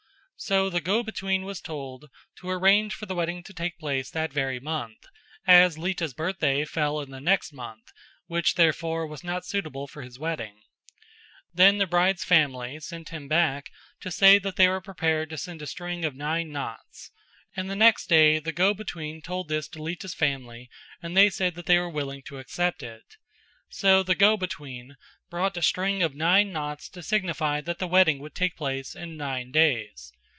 So the go between was told to arrange for the wedding to take place that very month, as Lita's birthday fell in the next month, which therefore was not suitable for his wedding. Then the bride's family sent him back to say that they were prepared to send a string of nine knots; and the next day the go between told this to Lita's family and they said that they were willing to accept it; so the go between brought a string of nine knots to signify that the wedding would take place in nine days.